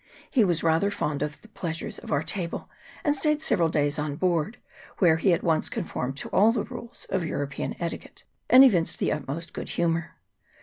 He was rather fond of the pleasures of our table, and stayed several days on board, where he at once conformed to all the rules of European etiquette, and evinced the utmost good humour.